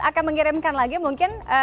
akan mengirimkan lagi mungkin